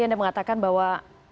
anda mengatakan bahwa